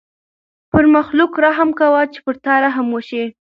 پر مخلوق رحم کوه چې پر تا رحم وشي.